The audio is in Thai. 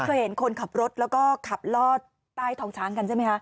เคยเห็นคนขับรถแล้วก็ขับลอดใต้ท้องช้างกันใช่ไหมคะ